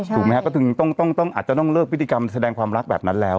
ถูกไหมฮะก็ถึงอาจจะต้องเลิกพิธีกรรมแสดงความรักแบบนั้นแล้ว